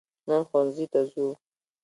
نن ښوونځي ته ځو